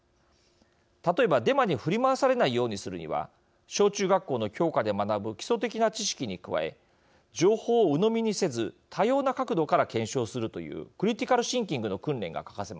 例えばデマに振り回されないようにするには小中学校の教科で学ぶ基礎的な知識に加え情報をうのみにせず多様な角度から検証するというクリティカル・シンキングの訓練が欠かせません。